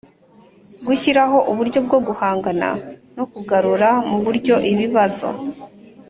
Gushyiraho uburyo bwo guhangana no kugarura mu buryo ibibazo